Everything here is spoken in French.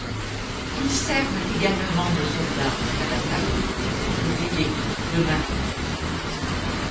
Ils servent également de soldats en cas d'attaque, aux côtés des troupes de marines.